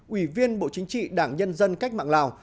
ủy viên bộ chính trị đảng nhân dân cách mạng lào